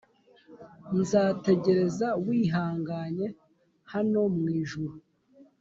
nzategereza wihanganye hano mwijuru